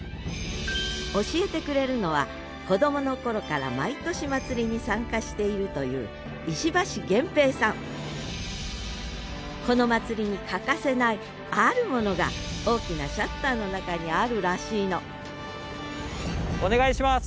教えてくれるのは子どもの頃から毎年祭りに参加しているというこの祭りに欠かせないあるものが大きなシャッターの中にあるらしいのお願いします。